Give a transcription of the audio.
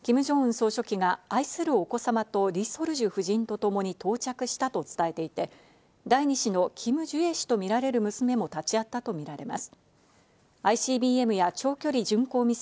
総書記が愛するお子様とリ・ソルジュ夫人とともに到着したと伝えていて、第２子のキム・ジュエ氏とみられる娘も立ち会ったとみられます。